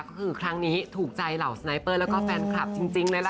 ก็คือครั้งนี้ถูกใจเหล่าสไนเปอร์แล้วก็แฟนคลับจริงเลยล่ะค่ะ